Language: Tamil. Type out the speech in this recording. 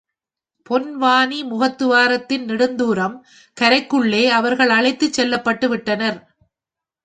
பொன்வானி முகத்துவாரத்தின் நெடுந்துாரம் கரைக்குள்ளே அவர்கள் அழைத்துச் செல்லப்பட்டு விட்டனர்.